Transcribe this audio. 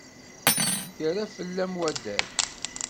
Yerra fell-am wadal.